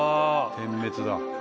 点滅だ。